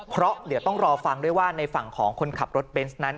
เพราะเดี๋ยวต้องรอฟังด้วยว่าในฝั่งของคนขับรถเบนส์นั้น